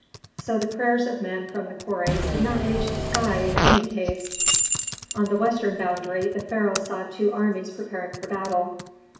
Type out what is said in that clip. So the prayers of men from the quarries did not reach the sky in any case. On the western boundary the pharaoh saw two armies preparing for battle.